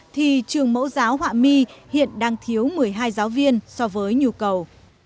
thì trường mẫu giáo họa my hiện đang thiếu một mươi hai giáo viên so với nhu cầu